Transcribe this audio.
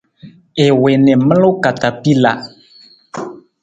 I wii na i maluu katapila.